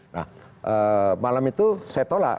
nah malam itu saya tolak